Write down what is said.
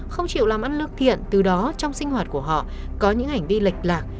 không chịu làm ăn lương thiện từ đó trong sinh hoạt của họ có những hành vi lệch lạc